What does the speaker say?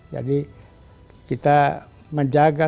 jadi kita menjaga